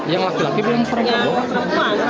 yang laki laki belum pernah